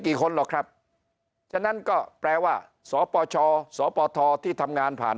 คนหรอกครับฉะนั้นก็แปลว่าสปชสปทที่ทำงานผ่าน